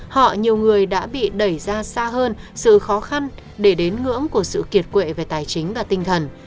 họ nhiều người đã bị đẩy ra xa hơn sự khó khăn để đến ngưỡng của sự kiệt quệ về tài chính và tinh thần